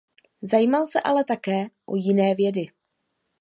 Zajímal se ale také o jiné vědy.